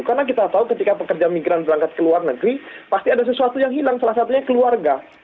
karena kita tahu ketika pekerja migran berangkat ke luar negeri pasti ada sesuatu yang hilang salah satunya keluarga